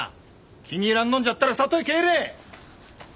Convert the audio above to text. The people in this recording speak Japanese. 気に入らんのんじゃったら里へ帰れ！